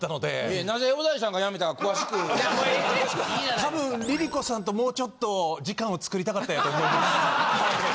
たぶんＬｉＬｉＣｏさんともうちょっと時間を作りたかったんやと思います。